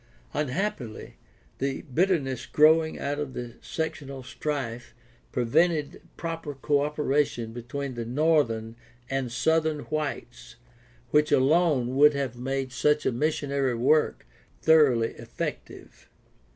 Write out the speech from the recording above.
Unhappily the bitterness growing out of the sectional strife prevented the proper co operation between the northern and southern whites which alone would have made such a missionary work thor oughly effective.